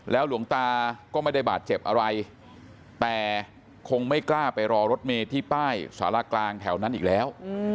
หลวงตาก็ไม่ได้บาดเจ็บอะไรแต่คงไม่กล้าไปรอรถเมย์ที่ป้ายสารกลางแถวนั้นอีกแล้ว